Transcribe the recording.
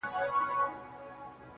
يو څه خو وايه کنه يار خبري ډيري ښې دي.